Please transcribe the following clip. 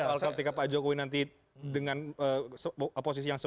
alkaltika pak jokowi nanti dengan posisi yang spin